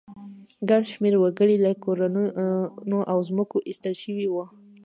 ګڼ شمېر وګړي له کورونو او ځمکو ایستل شوي وو